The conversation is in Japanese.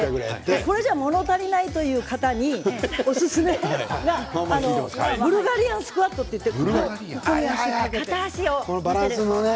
これじゃもの足りないという方におすすめがブルガリアンスクワットといって片足を。